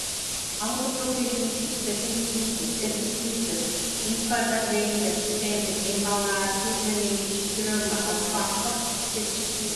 autopropelidos, defensivos, herbicidas, enfardadeiras, feno, embalar, firmemente, grama, alfafa, pesticidas